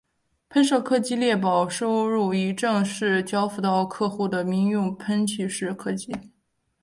喷射客机列表收录已正式交付到客户的民用喷气式客机。